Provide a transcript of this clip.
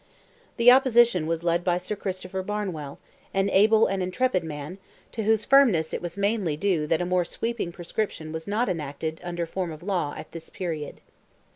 The opposition was led by Sir Christopher Barnewall, an able and intrepid man, to whose firmness it was mainly due that a more sweeping proscription was not enacted, under form of law, at this period.